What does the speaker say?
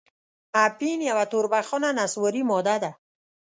اپین یوه توربخنه نسواري ماده ده.